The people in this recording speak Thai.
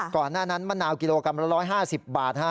ก่อนหน้านั้นมะนาวกิโลกรัมละ๑๕๐บาท